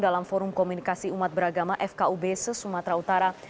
dalam forum komunikasi umat beragama fkub sesumatra utara